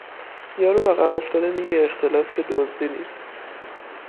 یارو عقب افتاده میگه اختلاس که دزدی نیست